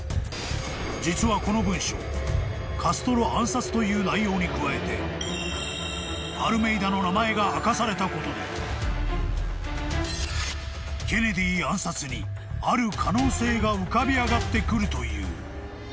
［実はこの文書カストロ暗殺という内容に加えてアルメイダの名前が明かされたことでケネディ暗殺にある可能性が浮かび上がってくるという］